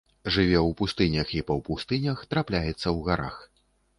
Жыве ў пустынях і паўпустынях, трапляецца ў гарах.